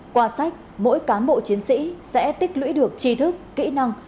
qua sách mỗi cán bộ chiến sĩ sẽ tích lũy được tri thức kỹ năng